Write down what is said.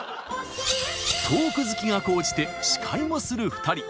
トーク好きが高じて司会もする２人。